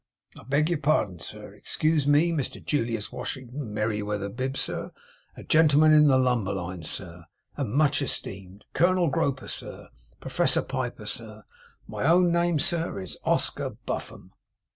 'I beg your pardon, sir. Excuse me. Mr Julius Washington Merryweather Bib, sir; a gentleman in the lumber line, sir, and much esteemed. Colonel Groper, sir. Pro fessor Piper, sir. My own name, sir, is Oscar Buffum.